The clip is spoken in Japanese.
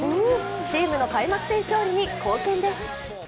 チームの開幕戦勝利に貢献です。